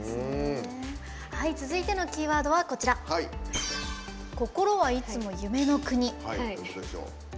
続いてのキーワードは「心はいつも夢の国」。